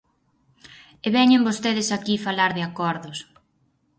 E veñen vostedes aquí falar de acordos.